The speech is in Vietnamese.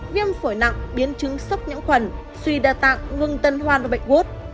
trâm phổi nặng biến chứng sốc những khuẩn suy đa tạng ngừng tân hoan và bệnh gút